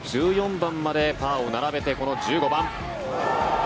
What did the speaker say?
１４番までパーを並べてこの１５番。